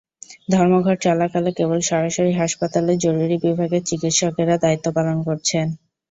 ধর্মঘট চলাকালে কেবল সরকারি হাসপাতালের জরুরি বিভাগের চিকিত্সকেরা দায়িত্ব পালন করছেন।